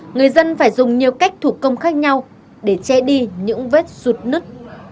người dân phải dùng nhiều cách thủ công khác nhau để che đi những vết sụt nứt